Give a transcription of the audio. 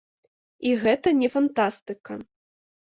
І гэта не фантастыка.